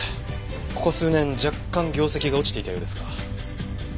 ここ数年若干業績が落ちていたようですが。